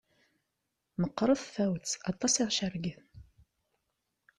Meqqert tfawet, aṭas i aɣ-cergen.